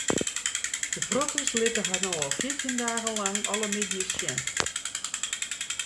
De protters litte har no al fjirtjin dagen lang alle middeis sjen.